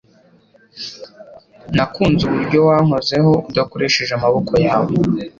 Nakunze uburyo wankozeho udakoresheje amaboko yawe